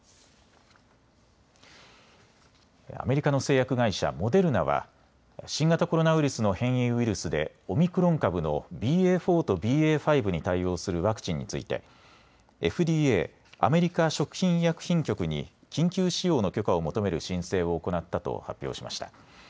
アメリカの製薬会社、モデルナは新型コロナウイルスの変異ウイルスでオミクロン株のＢＡ．４とＢＡ．５に対応するワクチンについてＦＤＡ・アメリカ食品医薬品局に緊急使用の許可を求める申請を行ったと発表しました。